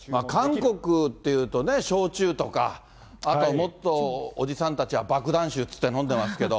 韓国っていうと、焼酎とか、あと、もっとおじさんたちは、爆弾酒って言って飲んでますけど。